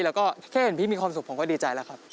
แล้วก็แค่เห็นพี่มีความสุขผมก็ดีใจแล้วครับ